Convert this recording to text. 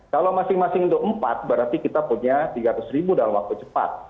kalau masing masing itu empat berarti kita punya tiga ratus ribu dalam waktu cepat